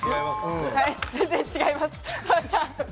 全然違います。